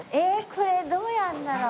これどうやるんだろう？